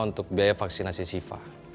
untuk biaya vaksinasi syifa